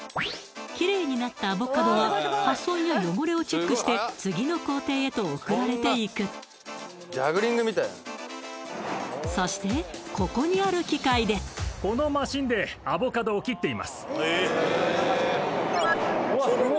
キレイになったアボカドは破損や汚れをチェックして次の工程へと送られていくそしてここにある機械でうわっすごい！